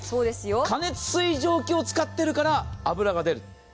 過熱水蒸気を使ってるから脂が出る。